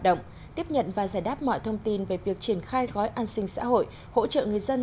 động tiếp nhận và giải đáp mọi thông tin về việc triển khai gói an sinh xã hội hỗ trợ người dân